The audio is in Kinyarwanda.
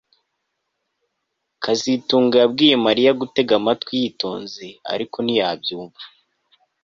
kazitunga yabwiye Mariya gutega amatwi yitonze ariko ntiyabyumva